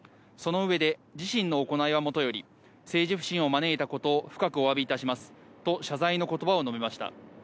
その上で、自身の行いはもとより、政治不信を招いたことを深くお詫びいたしますと謝罪の言葉を述べました。